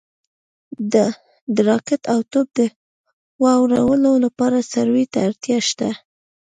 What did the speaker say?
د راکټ او توپ د وارولو لپاره سروې ته اړتیا شته